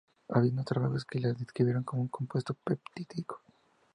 Habiendo trabajos que la describieron como un compuesto peptídico.